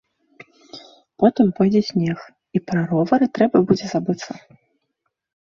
Потым пойдзе снег, і пра ровары трэба будзе забыцца.